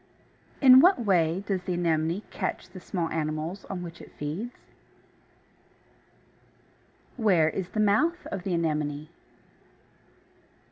2. In what way does the Anemone catch the small animals on which it feeds? 3. Where is the mouth of the Anemone?